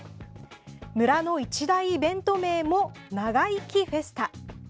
村の一大イベント名もながいきフェスタ。